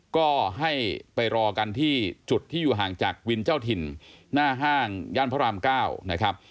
ก็ให้ไปรอกันที่จุดที่อยู่ห่างจากวินเจ้าถิ่นหน้าห้างย่านพระราม๙นะครับ